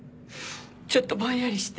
ちょっとぼんやりして。